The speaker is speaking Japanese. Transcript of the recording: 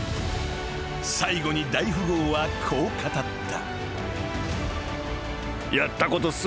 ［最後に大富豪はこう語った］